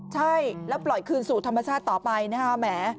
ใช่แล้วปล่อยคืนสู่ธรรมชาติต่อไปนะคะแหม